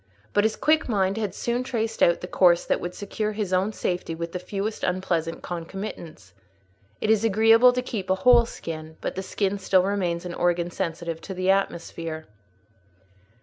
But his quick mind had soon traced out the course that would secure his own safety with the fewest unpleasant concomitants. It is agreeable to keep a whole skin; but the skin still remains an organ sensitive to the atmosphere.